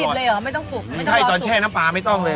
แท่มจะดิบเลยเหรอไม่ต้องฝุกไม่ต้องฝอฝุกใช่ตอนแช่น้ำปลาไม่ต้องเลย